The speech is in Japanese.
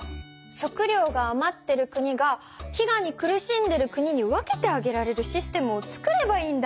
食料があまってる国が飢餓に苦しんでる国に分けてあげられるシステムを作ればいいんだ。